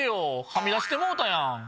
はみ出してもうたやん！